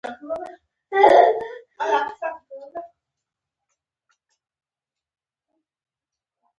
گلاب گل ښکلي رنگونه لري